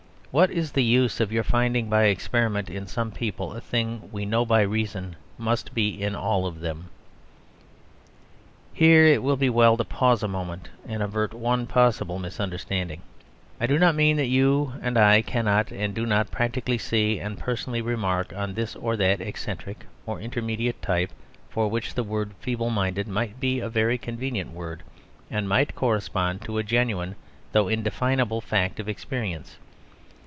What is the use of your finding by experiment in some people a thing we know by reason must be in all of them?" Here it will be as well to pause a moment and avert one possible misunderstanding. I do not mean that you and I cannot and do not practically see and personally remark on this or that eccentric or intermediate type, for which the word "feeble minded" might be a very convenient word, and might correspond to a genuine though indefinable fact of experience.